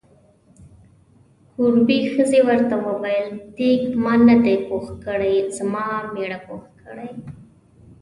کوربې ښځې ورته وویل: دیګ ما نه دی پوخ کړی، زما میړه پوخ کړی.